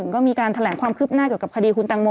ก็มีการแถลงความคืบหน้าเกี่ยวกับคดีคุณตังโม